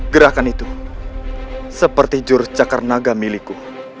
gerakan itu seperti juru cakar naga milikku